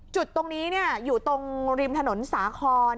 จุดตรงนี้อยู่ตรงริมถนนสาคร